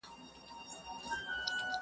له نارنج تر انارګله له پامیره تر کابله،